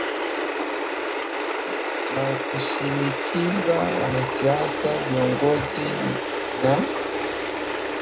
na kushinikiza wanasiasa viongozi na